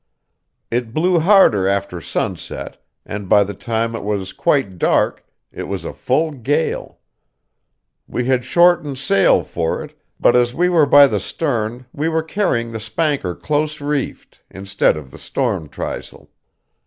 It blew harder after sunset, and by the time it was quite dark it was a full gale. We had shortened sail for it, but as we were by the stern we were carrying the spanker close reefed instead of the storm trysail.